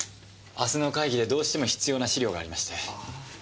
明日の会議でどうしても必要な資料がありまして。